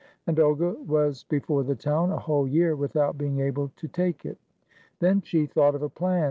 And Olga was before the town a whole year without being able to 25 RUSSIA take it. Then she thought of a plan.